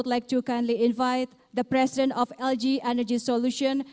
dan sekarang saya ingin mengundang presiden lg energy solution